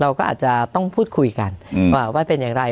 เราก็อาจจะต้องพูดคุยกันว่าเป็นอย่างไร